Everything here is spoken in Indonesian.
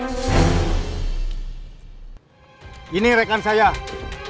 ya ada memang jo beranak karena betty's jin